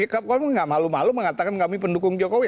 kamu gak malu malu mengatakan kami pendukung jokowi